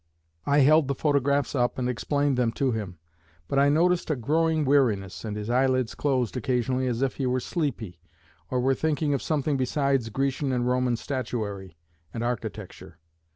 I held the photographs up and explained them to him; but I noticed a growing weariness, and his eyelids closed occasionally as if he were sleepy, or were thinking of something besides Grecian and Roman statuary and architecture.